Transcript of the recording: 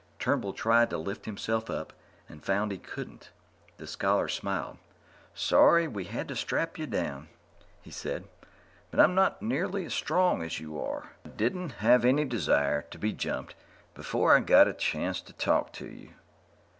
Turnbull tried to lift himself up and found he couldn't. The scholar smiled. "Sorry we had to strap you down," he said, "but I'm not nearly as strong as you are, and I didn't have any desire to be jumped before I got a chance to talk to you."